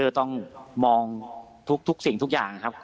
จะต้องมองทุกสิ่งทุกอย่างครับ